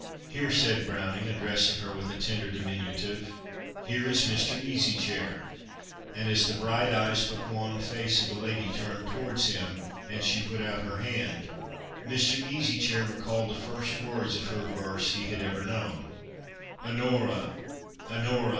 "Here," said Browning, addressing her with a tender diminutive "here is Mr. Easy Chair." And, as the bright eyes but wan face of the lady turned towards him, and she put out her hand, Mr. Easy Chair recalled the first words of her verse he had ever known: "'Onora, Onora!'